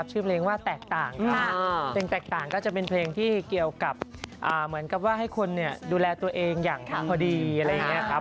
ตัวเองอย่างพอดีอะไรอย่างนี้ครับ